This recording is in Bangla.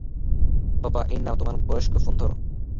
বাবা, এই নাও, তোমার বয়স্ক ফোন ধরো।